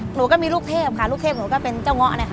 หนูก็มีลูกเทพค่ะลูกเทพหนูก็เป็นเจ้าเงาะนะคะ